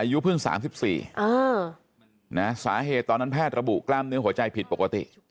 อายุเพิ่ง๓๔สาเหตุตอนนั้นแพทย์ระบุกล้ามเนื้อหัวใจผิดปกติ